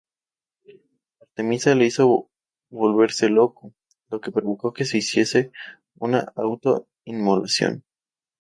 Artemisa le hizo volverse loco, lo que provocó que se hiciese una auto-inmolación.